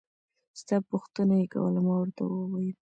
ستا پوښتنه يې کوله ما ورته وويل.